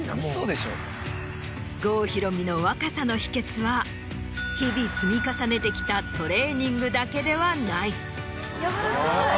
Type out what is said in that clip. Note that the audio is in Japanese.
郷ひろみの若さの秘訣は日々積み重ねてきたトレーニングだけではない。